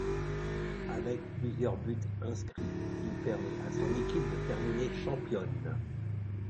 Avec plusieurs buts inscrit il permet à son équipe de terminer championne.